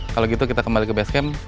kalau gitu kita kembali ke base camp